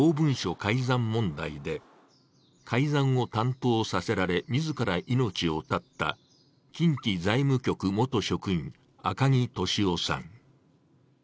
改ざん問題で、改ざんを担当させられ、自ら命を絶った近畿財務局元職員、赤木俊夫さん。